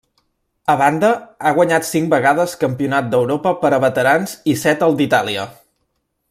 A banda, ha guanyat cinc vegades Campionat d'Europa per a veterans i set el d'Itàlia.